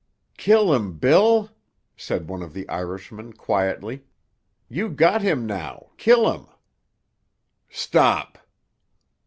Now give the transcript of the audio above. "Kill him, Bill!" said one of the Irishmen quietly. "You got him now; kill him." "Stop."